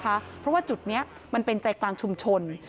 เพราะว่าจุดนี้มันเป็นใจกลางชุมชน